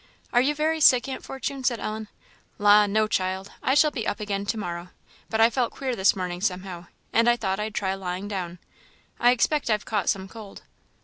"Are you very sick, Aunt Fortune?" said Ellen. "La! no, child I shall be up again to morrow; but I felt queer this morning, somehow, and I thought I'd try lying down. I expect I've caught some cold."